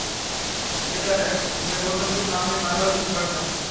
এটা একটা ঘুমের ঔষধ ছিল, আমি মারাও যেতে পারতাম।